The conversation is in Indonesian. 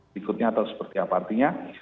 berikutnya atau seperti apa artinya